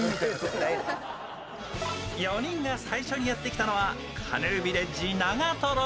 ４人が最初にやってきたのはカヌーヴィレッジ長瀞。